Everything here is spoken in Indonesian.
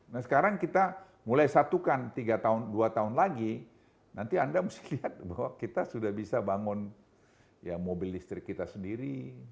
nah sekarang kita mulai satukan tiga tahun dua tahun lagi nanti anda mesti lihat bahwa kita sudah bisa bangun mobil listrik kita sendiri